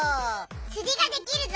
釣りができるぞ！